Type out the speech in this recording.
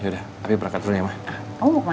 tapi berangkat dulu ya ma